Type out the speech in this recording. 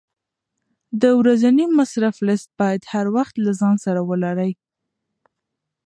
د ورځني مصرف لیست باید هر وخت له ځان سره ولرې.